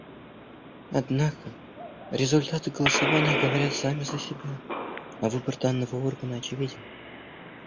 Однако результаты голосования говорят сами за себя, а выбор данного органа очевиден.